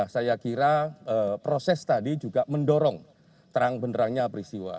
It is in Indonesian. saya kira proses tadi juga mendorong terang benerangnya peristiwa